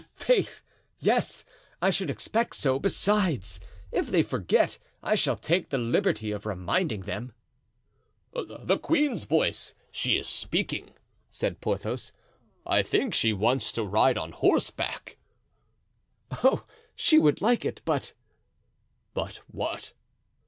"I'faith! yes—I should expect so; besides, if they forget, I shall take the liberty of reminding them." "The queen's voice! she is speaking," said Porthos; "I think she wants to ride on horseback." "Oh, she would like it, but——" "But what?"